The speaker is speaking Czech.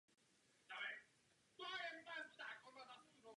Hrubý se angažoval při pomoci katolíkům v Československu.